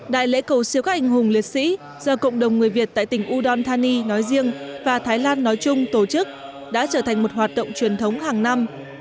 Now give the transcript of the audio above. đại lễ cầu siêu các anh hùng liệt sĩ do cộng đồng người việt tại tỉnh udon thani nói riêng và thái lan nói chung tổ chức đã trở thành một hoạt động truyền thống hàng năm